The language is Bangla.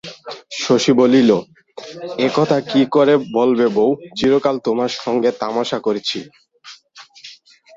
শশী বলিল, একথা কী করে বললে বৌ, চিরকাল তোমার সঙ্গে তামাশা করেছি?